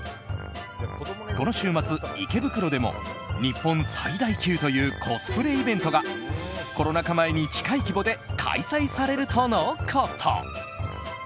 この週末、池袋でも日本最大級というコスプレイベントがコロナ禍前に近い規模で開催されるとのこと。